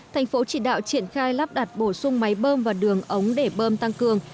thành phố chỉ đạo triển khai lắp đặt bổ sung máy bơm và đường ống để bơm tăng cường